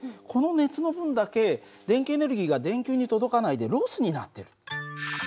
この熱の分だけ電気エネルギーが電球に届かないでロスになってる。